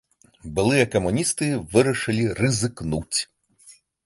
Былыя камуністы вырашылі рызыкнуць.